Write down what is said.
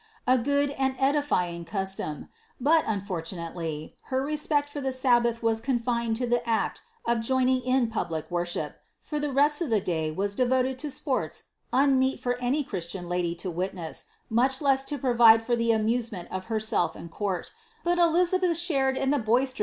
A good and edifying custom; but, unfortunately, her respect for the Sabbath was confined to the act of joining in public worship, for the rest of the day was devoted to sports unmeet for any Christian lady to witness, much less to provide for the amusement of herself and court ; but Elizabeth shared in the ' In a leuer to Gualter of Zurich.